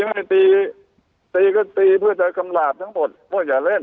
ก็ปีด๊ีเพื่อจะกำลับทั้งหมดถอยอย่าเล่น